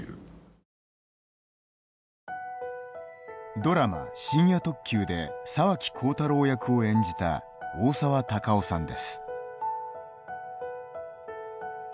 ドラマ「深夜特急」で沢木耕太郎役を演じた大沢たかおさんです。